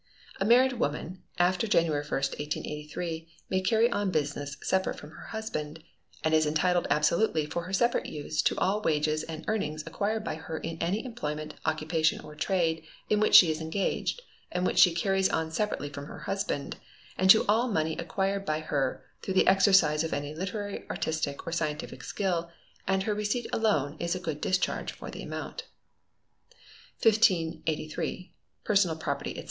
A married woman, after January 1, 1883, may carry on business separate from her husband, and is entitled absolutely for her separate use to all wages and earnings acquired by her in any employment, occupation, or trade, in which she is engaged, and which she carries on separately from her husband, and to all money acquired by her through the exercise of any literary, artistic, or scientific skill, and her receipt alone is a good discharge for the amount. 1583. Personal Property, etc.